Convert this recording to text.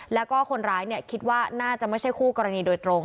แล้วก็คนร้ายคิดว่าน่าจะไม่ใช่คู่กรณีโดยตรง